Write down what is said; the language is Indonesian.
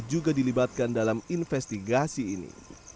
juga dilibatkan dalam investigasi ini